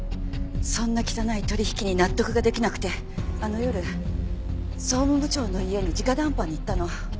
そんな汚い取引に納得ができなくてあの夜総務部長の家に直談判に行ったの。